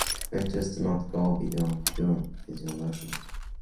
Her interests do not go beyond pure physiology.